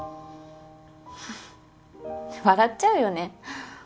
フフ笑っちゃうよね。